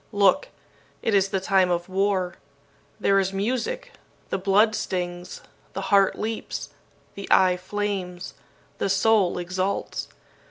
"Look! It is the time of war. There is music. The blood stings. The heart leaps. The eye flames. The soul exults.